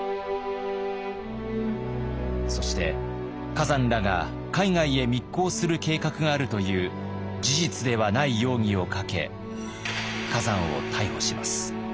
そして崋山らが海外へ密航する計画があるという事実ではない容疑をかけ崋山を逮捕します。